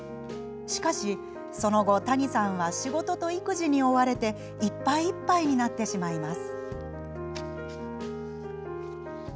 しかし、その後谷さんは仕事と育児に追われていっぱいいっぱいになってしまいます。